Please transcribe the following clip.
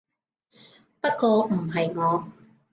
不過唔係我